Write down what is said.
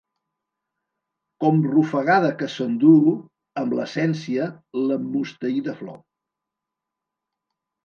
Com rufagada que s'enduu, amb l’essència, l’emmusteïda flor.